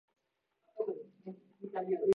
十日町駅